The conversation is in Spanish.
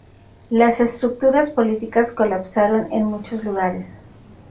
Las estructuras políticas colapsaron en muchos lugares.